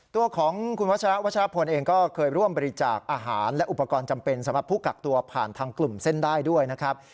ตัวของคุณวัชระวัชรพลเองก็เคยร่วมบริจาคอาหารและอุปกรณ์จำเป็นสำหรับผู้กักตัวผ่านทางกลุ่มเส้นได้ด้วยนะครับ